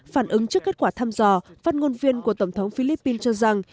phản ứng trước kết quả thăm dò phát ngôn viên của tổng thống philippines cho rằng